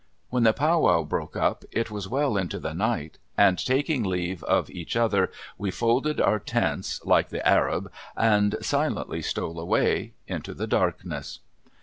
When the pow wow broke up it was well into the night, and taking leave of each other, we "folded our tents, like the Arab, and silently stole away" into the darkness.